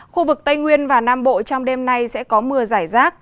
khu vực tây nguyên và nam bộ trong đêm nay sẽ có mưa giải rác